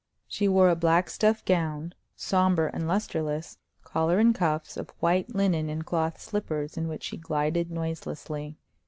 She wore a black stuff gown, somber and lusterless; collar and cuffs of white linen, and cloth slippers, in which she glided noiselessly.